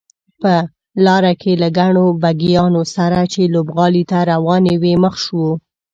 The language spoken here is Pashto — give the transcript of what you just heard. په لاره کې له ګڼو بګیانو سره چې لوبغالي ته روانې وې مخ شوو.